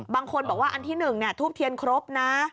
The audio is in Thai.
บางคนบอกว่าอันที่๑ทูบเทียนครบนะ